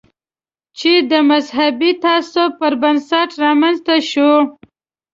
چې د مذهبي تعصب پر بنسټ رامنځته شو.